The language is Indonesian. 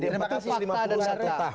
itu fakta dan data